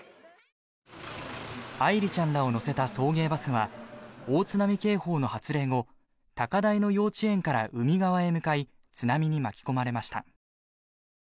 愛梨ちゃんらを乗せた送迎バスは大津波警報の発令後高台の幼稚園から海側へ向かい津波に巻き込まれました。